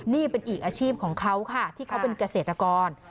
นี่เป็นอีกอาชีพของเขาค่ะที่เขาเป็นเกษตรกร